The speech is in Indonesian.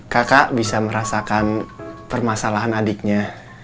kakak bisa merasakan permasalahan adiknya